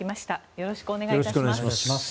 よろしくお願いします。